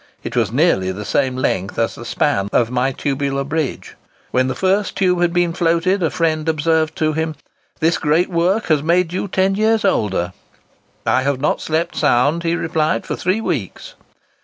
It was nearly the same length as the span of my tubular bridge!" When the first tube had been floated, a friend observed to him, "This great work has made you ten years older." "I have not slept sound," he replied, "for three weeks."